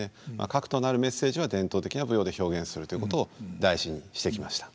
核となるメッセージは伝統的な舞踊で表現するということを大事にしてきました。